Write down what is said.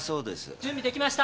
準備できました！